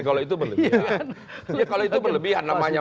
kalau itu berlebihan namanya